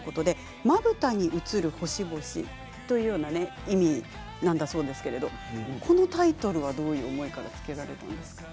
まぶたに映る星々というような話意味なんだそうですけれどこのタイトルはどういう思いからつけられたんですか？